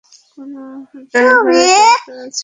কোনো ড্রাইভারের দরকার আছে, মশাই?